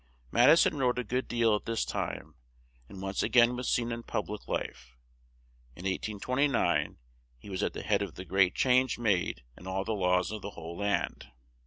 Mad i son wrote a good deal at this time; and once a gain was seen in pub lic life. In 1829 he was at the head of the great change made in all the laws of the whole land.